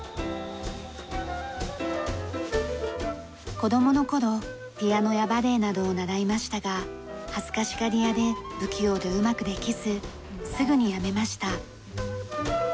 子供の頃ピアノやバレエなどを習いましたが恥ずかしがり屋で不器用でうまくできずすぐにやめました。